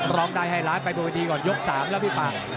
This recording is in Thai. ร้องได้ให้ล้านไปโดยดีก่อนยก๓แล้วพี่ปาก